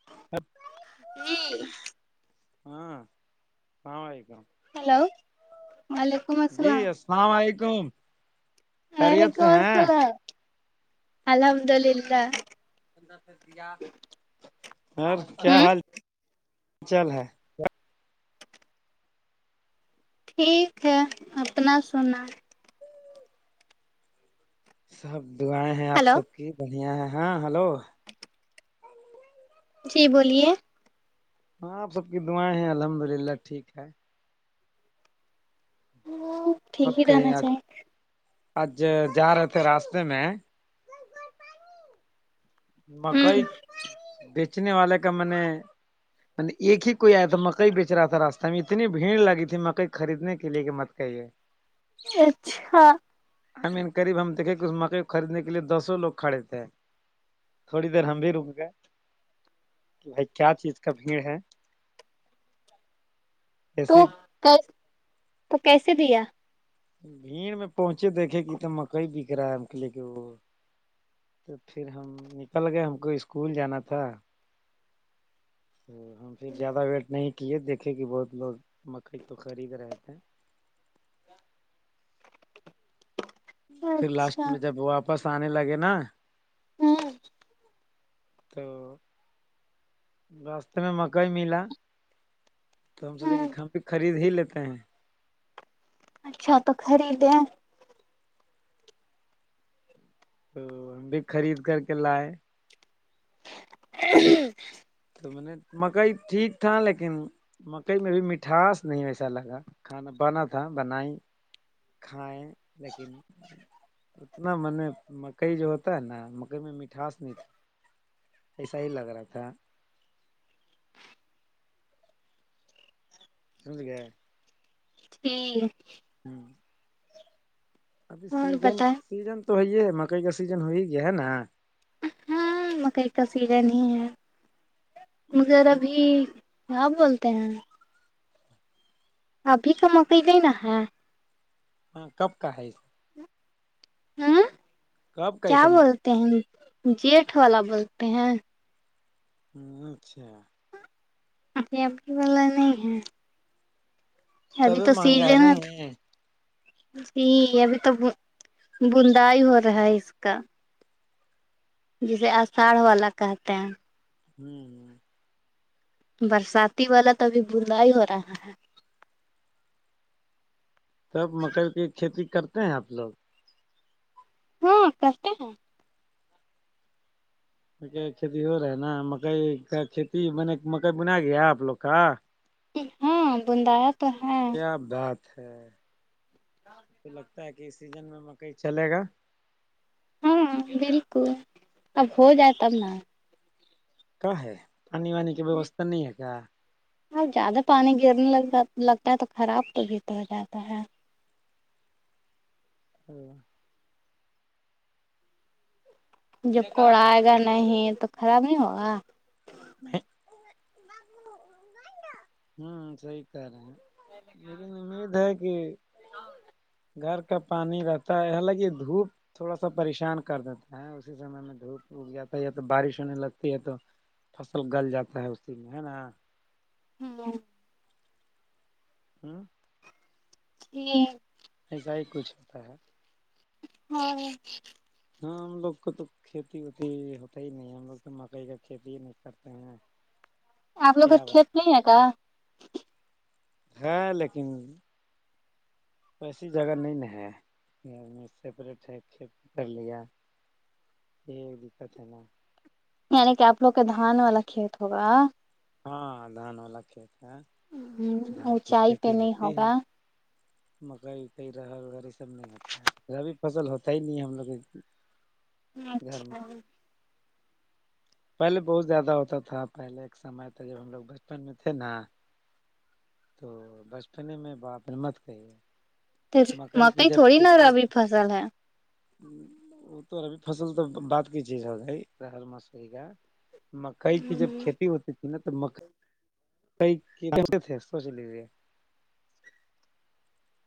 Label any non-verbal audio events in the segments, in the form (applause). جی ہاں اللام علیکم ہیلو وعلیکم السلام (inaudible) خیریت ہیک سے ہیں الحمد للہ دیا اورر کیا حال چل ہے ٹھیک ہے اپنا سنا سب دعائیں ہیں آپ ہلو سب کی بڑھیا ہے ہاں ہلو جی بولیے ہاں آپ سب کی دعائیں ہیں الحمد للہ ٹھیک ہے ٹھیک ہی اوکے رہنا آ آج جا رہے تھے راستے میں مکئی چاہیے بیچنے والے کا میں نے ایک ہی کوئی آیا تھا مکئی بیچ رہا تھا راہ ہم اتنی بھیڑ لگی تھی مکئی خریدنے کے لیے کہ مت کہیے اچھا این قریب ہم دیکیںے کہ اس مکئی کو خریدنے کے لیے دوسوں لوگ کھے تھ ہیں تھوڑی دیر ہم بھی رک گئے بھائی کیا چیز کا بھیڑ ہے ا (unintelligible) تو تو کیسے دیا بھیڑ میں پہنچے دیکھے کہ تو مکئی بک رہا ہے ہم لے کے وہ تو پھر ہم نکل گئے ہم کو اسکول جانا تھا تو ہم پھر زیادہ ویٹ نہیں کیے دیکھے کہ بہت لوگ مکئی کو خرید رہے تھے پھر لاسٹ اچھا میں جب واپس آنے لگے نا ہوں تو راستے میں مکئی ملا تو ہم سوچے کہ ہم بھی خرید ہی لیتے ہیں اچھا تو خریدیں تو ہم بھی خرید کر کے لائے ہ تو میں نے مکئی ٹھیک تھا لیکن مکئی میں بھی مٹھاس نہیں ویسا لگا کھانا بانا تھا بنائی کھائائےیں لیکن اتنا م نے مکئی جو ہوتا ہے نا مکئی میں مٹھاس نہیں تھا ایسا ہی لگ رہا تھا سمج گی ٹھیک ہاں ابھی اور سیزن بتائیں سیزن تو ہے ہے مکئی کا سیزن ہو ہی گیا ہے نا ہاں مکئی کا سیزن ہی ہے مگر ابھی کیا بولتے ہیں ابھی کا مکئی بھی نا ہے ہاں کب کا ہے اس کب کا کیا ایسا بولتے ہیں جیٹھ والا بولتے ہیں اچھا اھی اھی والا نہیں ہے ابھی تبھی تو سیج مہنگا ہے رہ ن نہیں جی ابھی تو بندائی ہو رہا ہے اس کا جسے آشاڑھ والا کہتے ہیں ھم برساتی والا تو ابھی بلا ہی ہو رہا ہے سب مکئی کی کھیتی کرتے ہیں آپ لوگ ہاں کس م کھیتی ہو رہا ہے نا مکئی کا کھیتی بنے مکئی بنا گیا آپ لوگ کا ہاں بندایا تو ہے کیا بات ہے تاکہ سیزن میں مکئی چلے گا ہاں بالکل اب ہو جائے تب نا کیا ہے پانی وانی کی ووستھا نہیں ہے کیا اب زیادہ پانی گرنے لگ لگتا ہے تو خراب تو بھی تو ہو جاتا ہے ھم جب کوڑا آئے گا نہیں تو خراب نہیں ہوگا ہوں سی کہ رہ ہیں امید ہے کہ گھر کا پانی رہتا ہے حالانکہ دھوپ تھوڑا سا پریشان کر دیتا ہے اس سم میں دھوپ اگ جاتا ہے یا تو بارش ہونے لگتی ہے تو فصل گل جاتا ہے اسی میں ہے نا ہو ہوں جی ایسا ہی کچھ ہوتا ہے ہاں ہاں ہم لوگ کو تو کھیتی اتی ہوتا ہی نہیں ہے ہم لوگ تو مکئی کا کھیتی ہی نہیں کرتے ہیں ھم آپ لوگ کھیت نہیں ہے کا ہاں لیکن ایسی جگہ نہیں ن ہے سپریٹ ہے کھیت کر لیا یہ دقت ہے نا یعنی کہ آپ لوگ کے دھان والا کھیت ہوگا ہاں دان وال ل کے ہ اونچائی پہ نہیں ہے ہوگا مکئی اکئی رہ وغیر یہ سب نہیں ہوتا ابھی فصل ہوتا ہی نہیں ہم لوگ گھر میں اچھا پہلے بہت زیادہ ہوتا تھا پہلے ایک سمے تھا جب ہم لوگ بچپن میں تھے نا تو بچپنے میں باپ ہملمت کہی ہے پھر مکئی تھوڑی ن ربی فصل ہے وہ تو ابھی فصل تو بات کی چ سر می کا مکئی کی جب کھیتی ہوتی تھی نا توتے تھے سوچ لیجیے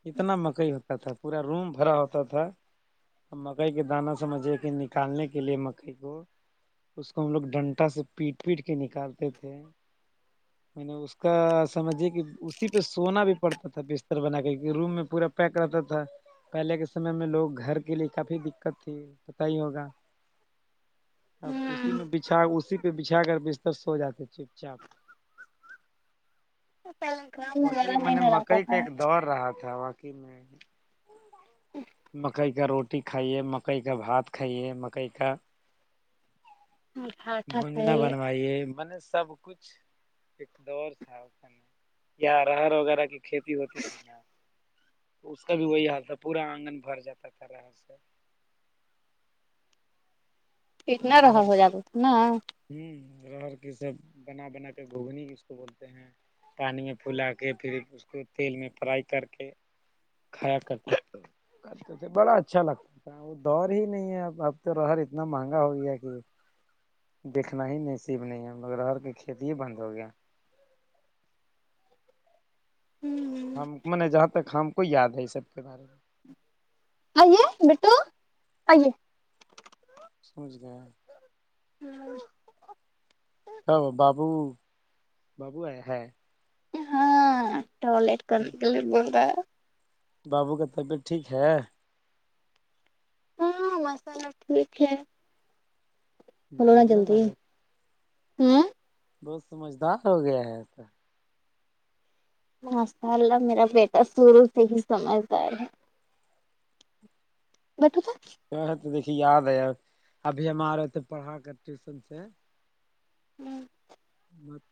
کتنا مکئی ہوتا تھا پورا روم بھرا ہوتا تھا مکئی کے دانا سمجھے کہ نکالنے کے لیے مکئی کو اس کو ہم لوگ ڈنٹا سے پیٹ پیٹ کے نکالتے تھے میں نے اس کا سمجھیے کہ اسی پہ سونا بھی پڑتا تھا بستر بنا کے روم میں پورا پیک رہتا تھا پہلے کے سمے میں لوگ گھر کے لیے کافی دقت تھی پت ہی ہوگا اب اسی ہوں میں بچھا اسی پہ بچھا کر بستستر سو جاتے چپ چاپ پہلے گاؤں باقی وغیرہ میں نہیں نے نہ رہتا مکئی کا تھا ایک دور رہا تھااقی میں مکئی کا روٹی روٹی کائیے مکئی کا بھات کائیے مکئی کا گھاٹا بھونجنا صحیح ہے بنوائیے مل سب کچھ ایک دور تھا یا رر وغیرہ کی کھیتی ہوتی تھی یہاں تو اس کا بھی وہی حال تھا پورا آنگن بھر جاتا تھا رر سے ٹھیک نہ رہ رہر ہو جگ ن ہوں رر کی سب بنا بنا کے گھگنی کی اس کو بولتے ہیں پانی میں پولا کے پھر اس کو تیل میں فرائی کر کے خرا کرتی کرتے تھ بڑا اچھا لگتا تھا وہ دور ہی نہیں ہے ا اب تو رہر اتنا مہنگا ہو گیا کہ دیکھنا ہی نصیب نہیں ہے مگر ہر کی کھیتی ہی بند ہو گیا ہم م نے جہاں تک ہم کو یاد ہے یہ سب کے بارے میں ائیے بیٹو ائیے سمجھ گیا ہاں ہاں بابو بابو ہے ہے ہاں ٹوائلٹ کرنے کے لیے بول رہا ہے بابو کا طبیعت ٹھیک ہے ہاں مسا سب ٹھیک ہے کنا بولنے جند لگا ہوں بہت سمجھدار ہو گیا ہے ایسا ماشاء اللہ میرا بیٹا شروع سے ہی سمجھدار ہے بٹوں تھا تو تو دیکھیے یاد ہے ابھی ہم آ رہے تو پڑھا کر ٹیوشن سے ہوں مک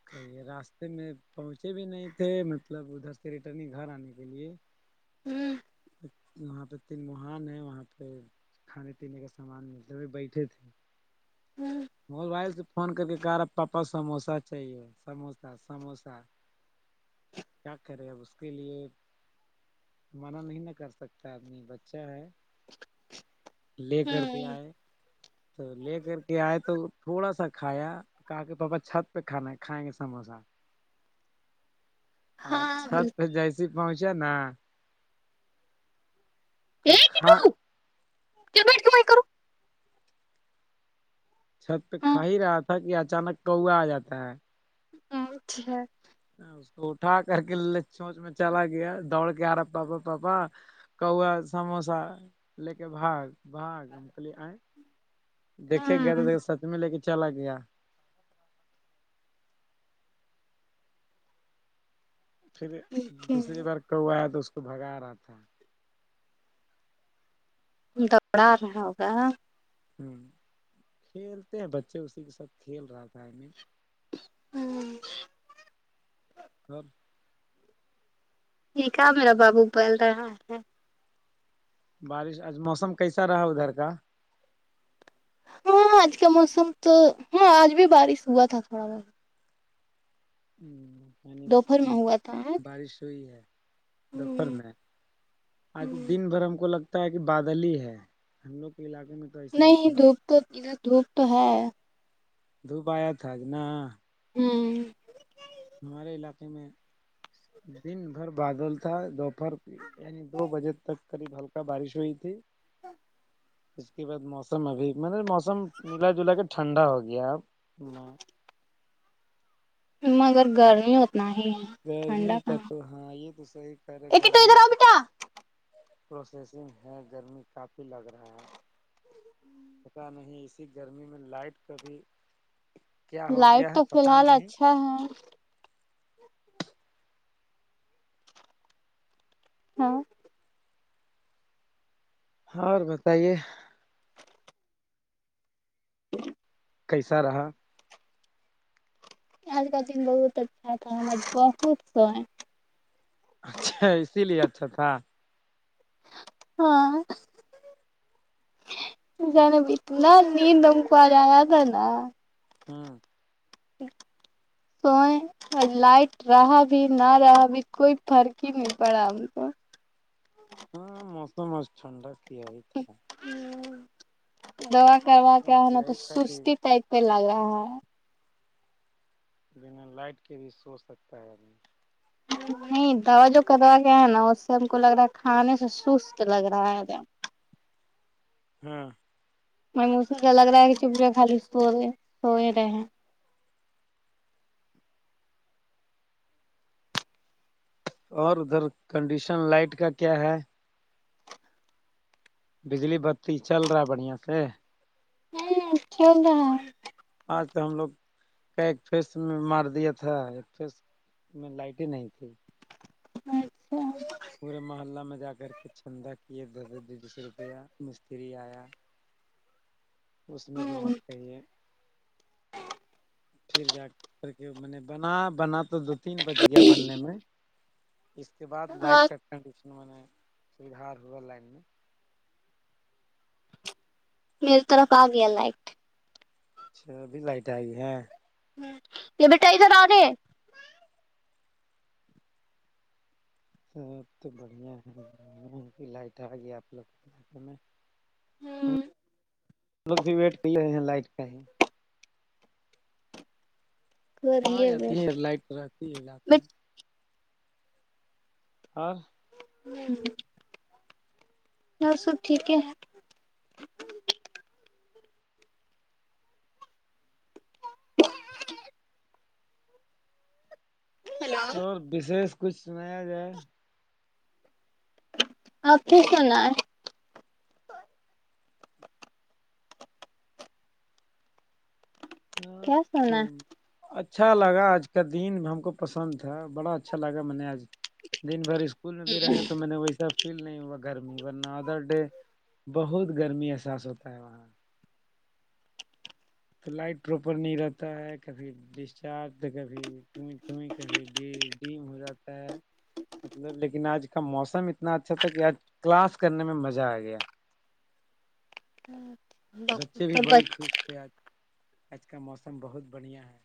راستے میں پہنچے بھی نہیں تھے مطلب ادھر سے ریٹرننگ گھر آنے کے لیے ہوں وہاں پہ تین مہان ہیں وہاں پہ کھانے پینے کا سامان ملتا بیٹھے تھے ہوں موبائل سے فون کر کے کہا رہا پاپا سموسا چاہیے سموسا سموسا کیا کرے اب اس کے لیے منع نہیں ن کر سکتا آدمی بچہ ہے لے کر کے ہوں آئے تو لے کر کے آئے تو تو تھوڑا سا کھایا کہ کہ پاپا چھت پہ کھانا ہے کھائیں گے سموسا ہ ہاں بول چھت پہ جیسی پہنچے نا تو کاں ج بٹ کیمائی کروں چھت ہوں کھا ہی رہا تھا کہ اچانک کوا آ جاتا ہے ہچھیک ہے اس کو اٹھا کر کے چونچ میں چلا گیا دوڑ کے آ رہا پاپا پاپا کوا سموسا لے کے بھاگ بھاگ ہم کہلیے آئیں دیکھے گیا تو ہاں دیک سچ میں لے کے چلا آ گیا پھر دوسری بار کوایا تو اس کو بھگا رہا تھا دوڑا رہا ہوگا ہوں کھیلتے ہیں بچے اسی کے ساتھ کھیل رہا تھا ہمیں ہاں سر (inaudible) ٹھیکا میرا بابو بول رہا ہے بارش آج موسم کیسا رہا ادھر کا ہاں آج کا موسم تو ہاں آج بھی بارش ہوا تھا تھوڑا بہت ہ دوپہر پ میں ہوا تھا آج بارش ہوئی ہے دفر میں آج تو دن بھر ہم کو لگتا کہ بادل ہی ہے ہم لوگ کے علاقے میں تو ایسا ہی نہیں تھا دھوپ تو ادھر دھوپ تو ہے دھوپ آیا تھا کہ نا ہوں ہمارے علاقے میں دن بھر بادل تھا دوپہر یعنی دو بجے تک قریب ہلکا بارش ہوئی تھی ہ (unintelligible) اس کے بعد موسم ابھی م نے موسم ملا جلا کے ٹھنڈا ہو گیا اب میں مگر گرمی اتنا ہی گرمی ٹھنڈا کا کہاں تو ہاں یہ تو صحیح کر ہے ایک تو گرمی ادھر آؤ کا بیٹا پروسیسنگ ہے گرمی کافی لگ رہا ہے پتا نہیں ایسی گرمی میں لائٹ کبھی لائٹ تو فی الحال اچھا ہے ہاں ہاں اور بتائیے جی کیسا رہا آج کا دن بہت اچھا تھا ہم آج بہت سوے اچھا اسی لیے اچھا تھا ہاں جانا بھی نا نیند ہم کو آج آیا تھا نا ہمم (inaudible) سویں اور لائٹ رہا بھی نہ رہا بھی کوئی فرق ہی نہیں پڑا ہم کو ہاں موسم آج ٹھنڈک ہی ہے ابھی دوا کروا سب کیا ہے نا تو ہی تھا کہ سستی ٹائپ پہ لگا ہے (inaudible) بنا لائٹ کے بھی سو سکتا ہے ابھی (inaudible) نہیں دوا جو کدوا گیا ہے نا اس سے ہم کو لگ رہا ہے کھانے سے سست لگ رہا ہے دم (inaudible) ہاں م اسے لگ رہا ہے کہ چپڑے خالی سو رہے سوئے رہے ہیں (inaudible) اور ادھر کنڈیشن لائٹ کا کیا ہے بجلی بتی چل رہا ہے بڑھیا سے ہاں چل رہا ہے آج تو ہم لوگ کا ایک فیس میں مار دیا تھا ایک فیس (inaudible) میں لائٹ ہی نہیں تھی اچھا پورے محلہ میں جا کر کے چھندک (inaudible) یہ دس بی بیس روپیہ مستری آیا (inaudible) اس میں بھی مت کہیے پھر جا کر کے میں نے بنا بنا تو دو تین بج گیا بننے میں اس کے بعد لائٹ اور کا کنڈیشن میں نے سدھار ہوا لائن میں میری طرف آگیا لائٹ اچھا ابھی لائٹ آئی ہے ہاں یہ بیٹا ادھر آنے ہے (inaudible) سب تو بڑھیا ہے لائٹ آ گئی آپ لوگے میں (inaudible) ہم ہم لوگ بھی ویٹ کر لیے ہیں لائٹ کا ہی (inaudible) ہاں آ کریے جاتی ویٹ ہے لائٹ رہتی ہے رات میں اور اور سب ٹھیک ہے (inaudible) ہیلو اور وشیش کچھ سنایا جائے آپ کی سنا ہے (inaudible) ہاں کیا تو سنا اچھا لگا آج کا دن ہم کو پسند تھا بڑا اچھا لگا میں نے آج دن بھر اسکول میں بھی رہے ہیں تو میں نے وہی سب فیل نہیں ہوا گرمی ورنہ ادر ڈے بہت گرمی احساس ہوتا ہے وہاں تو لائٹ پراپر نہیں رہتا ہے کبھی ڈسچارج تو کبھی یں ڈی ڈم ہو جاتا ہے (inaudible) مطلب لیکن آج کا موسم اتنا اچھا تھا کہ آج کلاس کرنے میں مزہ آ گیا ہے بچے بھی سب بڑی خوش تھے آج آج کا موسم بہت بڑھیا ہے